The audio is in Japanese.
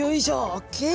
ＯＫ！